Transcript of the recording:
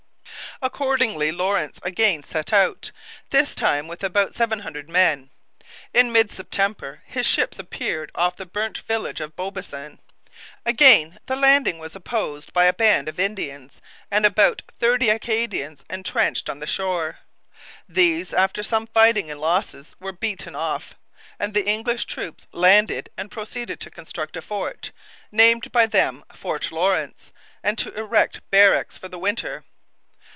Accordingly Lawrence again set out, this time with about seven hundred men. In mid September his ships appeared off the burnt village of Beaubassin. Again the landing was opposed by a band of Indians and about thirty Acadians entrenched on the shore. These, after some fighting and losses, were beaten off; and the English troops landed and proceeded to construct a fort, named by them Fort Lawrence, and to erect barracks for the winter.